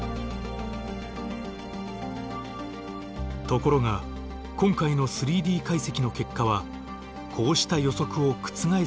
ところが今回の３Ｄ解析の結果はこうした予測を覆すものだった。